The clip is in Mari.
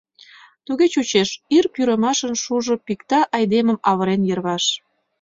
Туге чучеш: ир пӱрымашын шужо Пикта айдемым, авырен йырваш…